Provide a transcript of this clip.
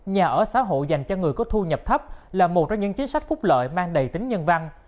nhà ở xã hội dành cho người có thu nhập thấp là một trong những chính sách phúc lợi mang đầy tính nhân văn